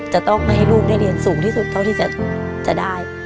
จะต้องไม่ให้ลูกได้เรียนสูงที่สุดเท่าที่จะได้